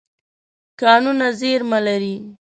کانونه زیرمه لري.